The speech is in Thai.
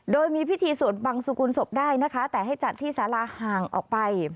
โดยมีพิธีสวดบังสุกุลศพได้นะคะแต่ให้จัดที่สาราห่างออกไป